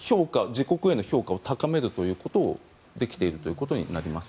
自国への評価を高めるということができているということになります。